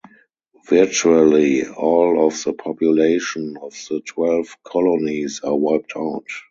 Virtually all of the population of the Twelve Colonies are wiped out.